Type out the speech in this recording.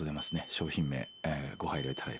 商品名ご配慮頂いて。